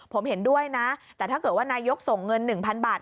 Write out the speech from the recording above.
ผมเห็นด้วยนะแต่ถ้าเกิดว่านายกส่งเงิน๑๐๐บาท